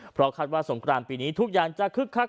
เพราะคาดว่าสงครานปีนี้ทุกอย่างจะคึกคัก